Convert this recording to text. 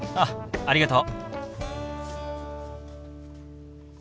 ありがとう。